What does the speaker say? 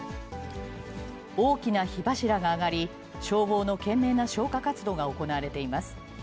大きな火柱が上がり、消防の懸命な消火活動が行われています。